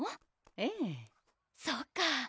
ええそっかぁ